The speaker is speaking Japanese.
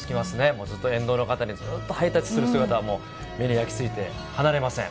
もうずっと沿道の方ずっとハイタッチする姿が目に焼き付いて離れません。